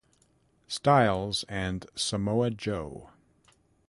Styles and Samoa Joe.